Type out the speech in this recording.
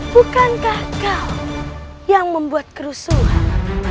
bukankah kau yang membuat kerusuhan